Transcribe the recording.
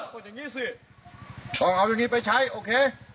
ดอย่างนี้สิต้องเอาอย่างนี้ไปใช้โอเค